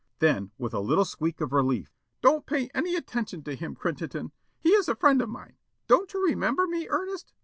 Then, with a little squeak of relief: "Don't pay any attention to him, Crittenden. He is a friend of mine. Don't you remember me, Ernest?